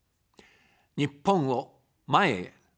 日本を、前へ。